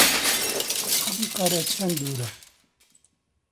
ئەنقەرە چەند دوورە؟